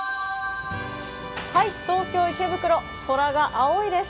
東京・池袋、空が青いです。